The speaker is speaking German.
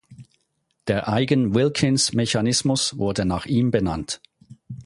Der Eigen-Wilkins-Mechanismus wurde nach ihm benannt.